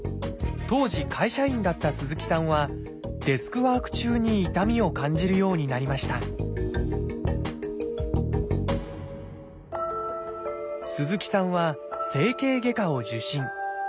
当時会社員だった鈴木さんはデスクワーク中に痛みを感じるようになりました鈴木さんは整形外科を受診。